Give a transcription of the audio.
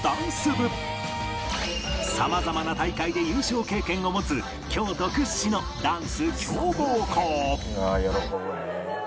様々な大会で優勝経験を持つ京都屈指のダンス強豪校